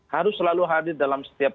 harus selalu hadir dalam setiap